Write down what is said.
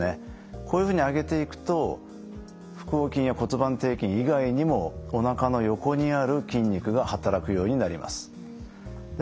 こういうふうに上げていくと腹横筋や骨盤底筋以外にもおなかの横にある筋肉が働くようになります。